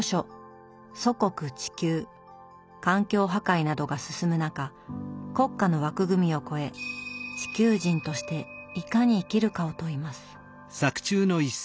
環境破壊などが進む中国家の枠組みを超え「地球人」としていかに生きるかを問います。